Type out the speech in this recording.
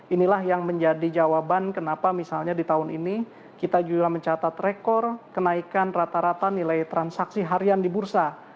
inilah yang menjadi jawaban kenapa misalnya di tahun ini kita juga mencatat rekor kenaikan rata rata nilai transaksi harian di bursa